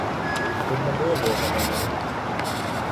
Тут не було злого наміру.